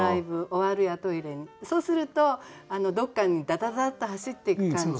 そうするとどっかにダダダッと走っていく感じ。